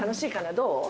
どう？